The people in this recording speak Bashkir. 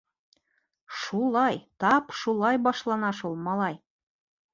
— Шулай, тап шулай башлана шул, малай!..